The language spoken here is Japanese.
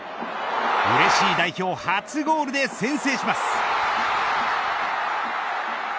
うれしい代表初ゴールで先制します。